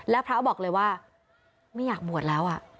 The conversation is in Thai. แล้วพระบอกเลยว่าไม่อยากบวชแล้ว